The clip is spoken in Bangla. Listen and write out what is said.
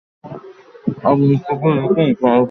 আপনি শুধু লিখুন, স্যার।